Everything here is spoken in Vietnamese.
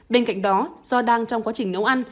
bên cạnh đó do đang trong quá trình nấu ăn